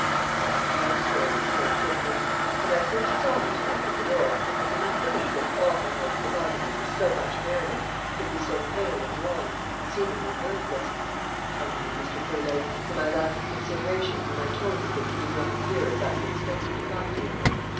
"That accounts for it," he said, simply. "When I first saw you to night at the door I could not believe that the author who had provided me with so much merriment could be so pale and worn and seemingly mirthless. Pardon me, Mr. Thurlow, for my lack of consideration when I told you that you did not appear as I had expected to find you."